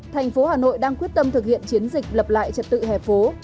thành phố hà nội đang quyết tâm thực hiện chiến dịch lập lại trật tự hẻ phố